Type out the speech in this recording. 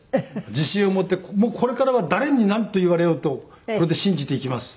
自信を持ってこれからは誰になんと言われようとこれで信じていきます。